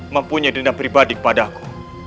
mempunyai dendam pribadi kepada aku